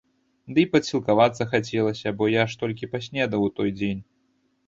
Ды і падсілкавацца хацелася, бо я ж толькі паснедаў у той дзень.